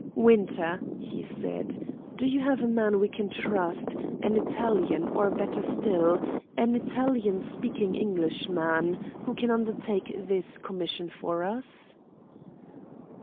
"Winter," he said, "do you know a man we can trust, an Italian, or better still, an Italian speaking Englishman, who can undertake this commission for us?"